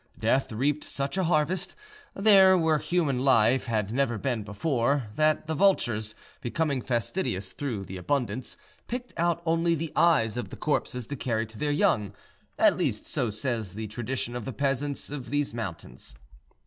Death reaped such a harvest there where human life had never been before, that the vultures, becoming fastidious through the abundance, picked out only the eyes of the corpses to carry to their young—at least so says the tradition of the peasants of these mountains.